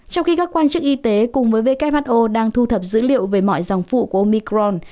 trong khi các quan chức y tế cùng với who đang thu thập dữ liệu về mọi dòng phụ của omicron